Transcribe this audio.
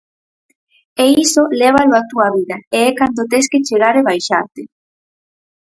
E iso lévalo a túa vida e é cando tes que chegar e baixarte.